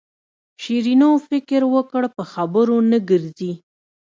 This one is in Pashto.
شیرینو فکر وکړ په خبرو نه ګرځي.